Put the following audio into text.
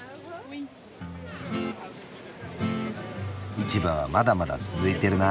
市場はまだまだ続いてるな。